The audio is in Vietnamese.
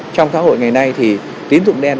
trong xã hội ngày nay thì tín tùng đen